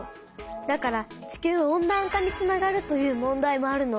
だから地球温暖化につながるという問題もあるの。